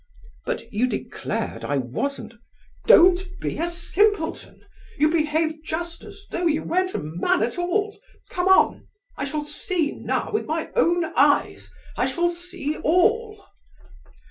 "But you declared I wasn't—" "Don't be a simpleton. You behave just as though you weren't a man at all. Come on! I shall see, now, with my own eyes. I shall see all."